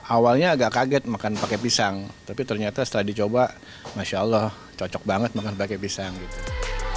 awalnya agak kaget makan pakai pisang tapi ternyata setelah dicoba masya allah cocok banget makan pakai pisang gitu